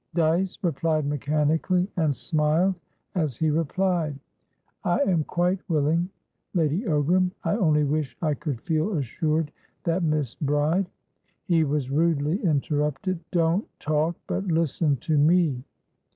Dyce replied mechanically and smiled as he replied. "I am quite willing, Lady Ogram. I only wish I could feel assured that Miss Bride" He was rudely interrupted. "Don't talk, but listen to me."